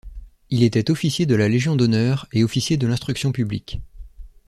Il était officier de la Légion d'honneur et officier de l’instruction publique.